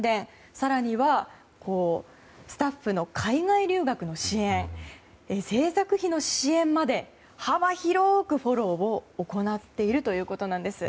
更にはスタッフの海外留学の支援制作費の支援まで幅広くフォローを行っているということです。